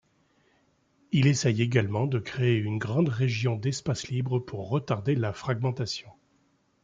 Il essaye également de créer une grande région d'espace libre pour retarder la fragmentation.